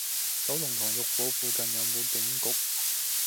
九龍塘珏堡附近有無警局？